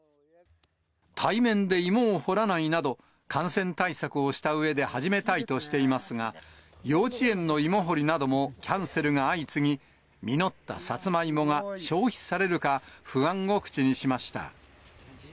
対面で芋を掘らないなど、感染対策をしたうえで始めたいとしていますが、幼稚園の芋掘りなどもキャンセルが相次ぎ、実ったさつまいもが消費されるか、不安を口にしました。